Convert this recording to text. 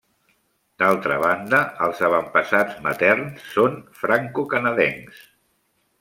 D'altra banda, els avantpassats materns són francocanadencs.